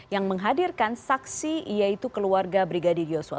yang menghadirkan saksi yaitu keluarga brigadir yosua